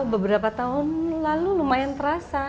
beberapa tahun lalu lumayan terasa